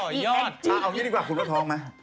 เอาอย่างนี้ดีกว่าคุณว่าท้องมั้ย